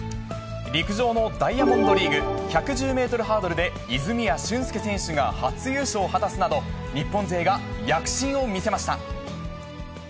陸上のダイヤモンドリーグ、１１０メートルハードルで泉谷駿介選手が初優勝を果たすなど、日本勢が躍進を見せました。